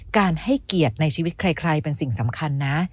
การให้เกียรติในชีวิตใครเป็นสิ่งสำคัญนะ